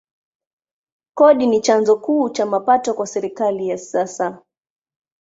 Kodi ni chanzo kuu cha mapato kwa serikali ya kisasa.